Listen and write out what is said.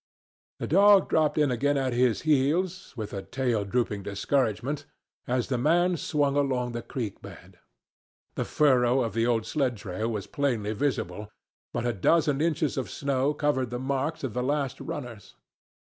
The dog dropped in again at his heels, with a tail drooping discouragement, as the man swung along the creek bed. The furrow of the old sled trail was plainly visible, but a dozen inches of snow covered the marks of the last runners.